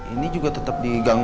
ini juga tetep diganggu